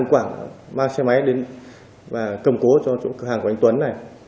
mang xe máy đến và cầm cố cho chỗ cửa hàng của anh tuấn này